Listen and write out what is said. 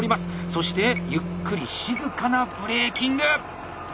そしてゆっくり静かなブレーキング！